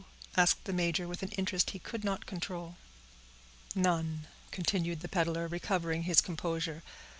asked the major, with an interest he could not control. "None," continued the peddler, recovering his composure.